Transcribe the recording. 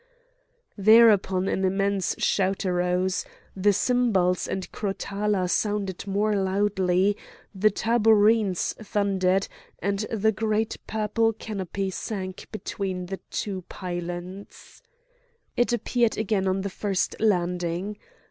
Thereupon an immense shout arose; the cymbals and crotala sounded more loudly, the tabourines thundered, and the great purple canopy sank between the two pylons. It appeared again on the first landing.